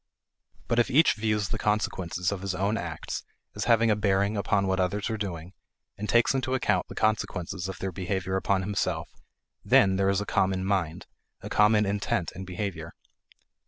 But if each views the consequences of his own acts as having a bearing upon what others are doing and takes into account the consequences of their behavior upon himself, then there is a common mind; a common intent in behavior.